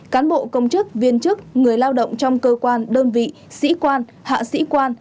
cán bộ công chức viên chức người lao động trong cơ quan đơn vị sĩ quan hạ sĩ quan